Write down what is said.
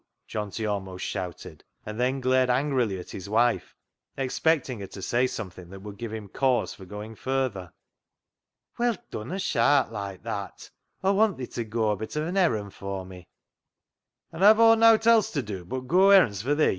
" Johnty almost shouted, and then glared angrily at his wife, expecting her to say something that would give him cause for going further. " Well, dunna shaat loike that. Aw want thi to goa a bit of an errand for me." " An' hev' Aw nowt else t' do but goa errands for thi?